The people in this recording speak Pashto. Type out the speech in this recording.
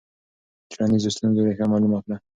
د ټولنیزو ستونزو ریښه معلومه کړه.